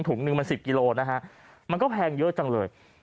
หนึ่งมัน๑๐กิโลนะฮะมันก็แพงเยอะจังเลย